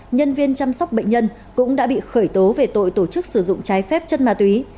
nhân viên chăm sóc bệnh nhân cũng đã bị khởi tố về tội tổ chức sử dụng trái phép chất ma túy